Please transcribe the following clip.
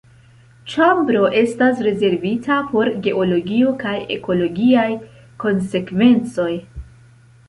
Ĉambro estas rezervita por geologio kaj ekologiaj konsekvencoj.